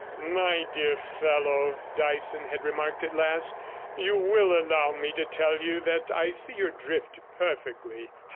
'My dear fellow,' Dyson had remarked at last, 'you will allow me to tell you that I see your drift perfectly.